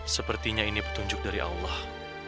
sepertinya ini petunjuk dari allah